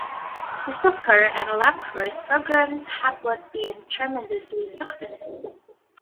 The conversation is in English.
The soccer and lacrosse programs have both been tremendously successful.